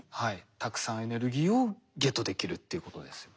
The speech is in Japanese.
たくさんエネルギーをゲットできるっていうことですよね。